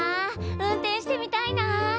運転してみたいな！